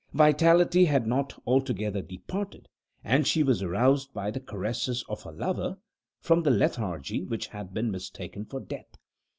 Vitality had not altogether departed, and she was aroused by the caresses of her lover from the lethargy which had been mistaken for death.